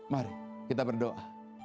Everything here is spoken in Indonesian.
mari kita berdoa